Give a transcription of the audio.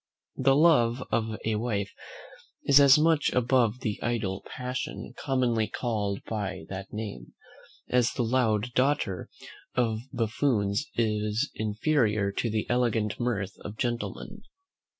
The love of a wife is as much above the idle passion commonly called by that name, as the loud laughter of buffoons is inferior to the elegant mirth of gentlemen.